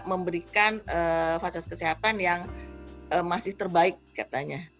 memberikan fasilitas kesehatan yang masih terbaik katanya